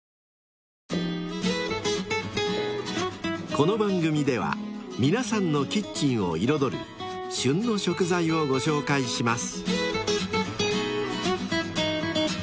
［この番組では皆さんのキッチンを彩る「旬の食材」をご紹介します］